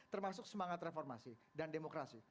termasuk semangat reformasi dan demokrasi